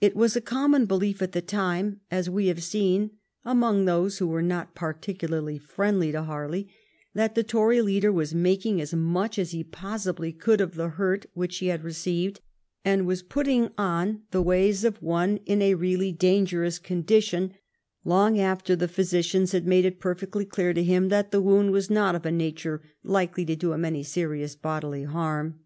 It was a common belief at the time, as we have seen, among those who were not particularly friendly to Harley, that the Tory leader was making as much as he possibly could of the hurt which he had received, and was putting on the ways of one in a really dangerous condition, long after the physicians had made it per fectly clear to him that the wound was not of a nature likely to do him any serious bodily harm.